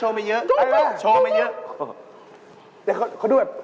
เนี่ยเขาด้วย